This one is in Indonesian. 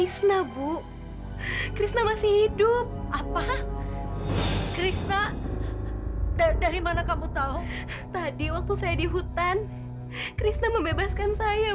saya mau melaksanakan pernikahan secepatnya